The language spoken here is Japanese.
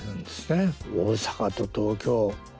大阪と東京。